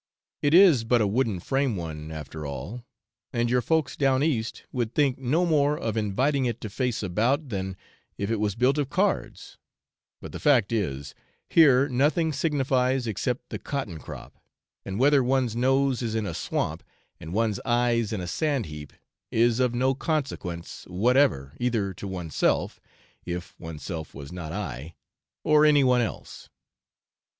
It is but a wooden frame one after all, and your folks 'down east' would think no more of inviting it to face about than if it was built of cards; but the fact is, here nothing signifies except the cotton crop, and whether one's nose is in a swamp and one's eyes in a sand heap, is of no consequence whatever either to oneself (if oneself was not I) or anyone else.